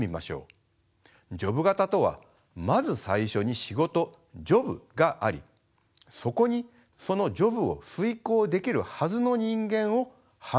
ジョブ型とはまず最初に仕事ジョブがありそこにそのジョブを遂行できるはずの人間をはめ込むものです。